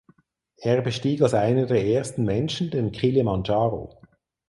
Er bestieg als einer der ersten Menschen den Kilimandscharo.